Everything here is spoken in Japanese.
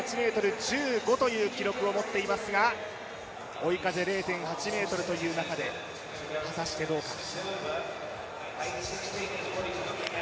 ８ｍ１５という記録を持っていますが、追い風０．８ｍという中で、果たしてどうか。